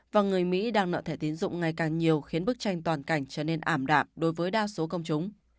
và người mỹ đang nợ thẻ tiến dụng ngày càng nhiều khiến bức tranh toàn cảnh trở nên ảm đạm đối với đa số công chúng